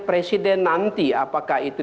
presiden nanti apakah itu